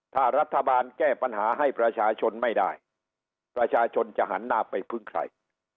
ถ้ารัฐบาลแก้ปัญหาให้ประชาชนไม่ได้ประชาชนจะหันหน้าไปพึ่งใคร